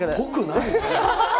ぽくないね。